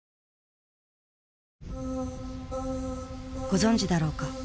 ご存じだろうか。